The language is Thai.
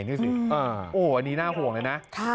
แบบนี้หน้าห่วงเลยนะ